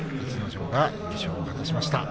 城が優勝を果たしました。